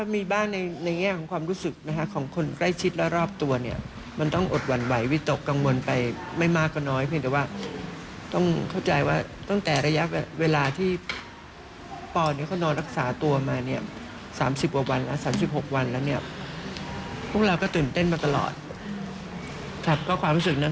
มีทางครอบครัวเองแบบหวั่นกับสิ่งที่พี่ปอดตื่นมาแล้วจะเห็นในครอบครัวเอง